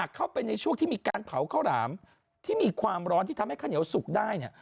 เข้าไปในช่วงที่มีการเผาข้าวหลามที่มีความร้อนที่ทำให้ข้าวเหนียวสุกได้เนี่ย